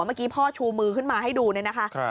เมื่อกี้พ่อชูมือขึ้นมาให้ดูเนี่ยนะคะ